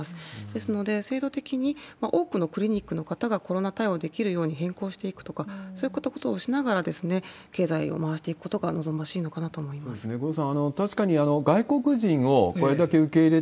ですので、制度的に多くのクリニックの方がコロナ対応できるように変更していくとか、そういったことをしながら、経済を回していくことが望ましいのかなと思います。